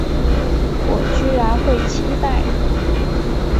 我居然会期待